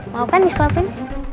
mau kan disuapin